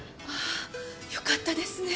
あよかったですね！